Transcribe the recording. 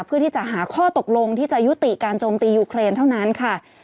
เพื่อที่จะหาข้อตกลงที่จะยุติการโจมตียูเครนเท่านั้นค่ะ